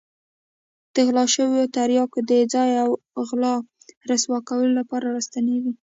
د غلا شوو تریاکو د ځای او غلو رسوا کولو لپاره را ستنېږي.